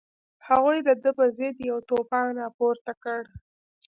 هغوی د ده په ضد یو توپان راپورته کړ.